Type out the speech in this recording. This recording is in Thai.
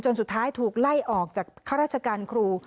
สุดท้ายถูกไล่ออกจากข้าราชการครู